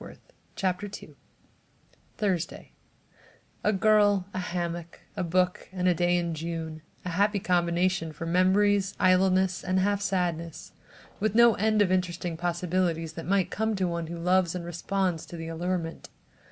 THURSDAY A girl, a hammock, a book and a day in June: a happy combination for memories, idleness and half sadness, with no end of interesting possibilities that might come to one who loves and responds to the allurement.